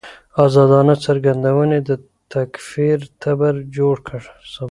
ازادانه څرګندونې د تکفیر تبر جوړ کړ.